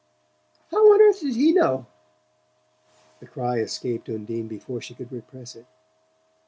"How on earth did he know?" The cry escaped Undine before she could repress it.